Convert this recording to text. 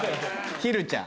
ひるちゃん。